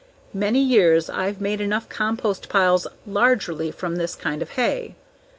Many years I've made huge compost piles largely from this kind of hay.